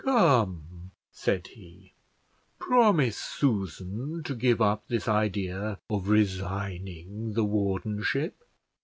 "Come," said he, "promise Susan to give up this idea of resigning the wardenship."